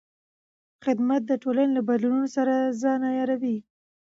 خدمت د ټولنې له بدلونونو سره ځان عیاروي.